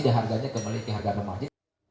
dan harganya kembali ke harga normal